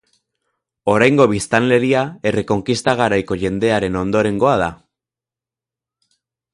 Oraingo biztanleria, Errekonkista garaiko jendearen ondorengoa da.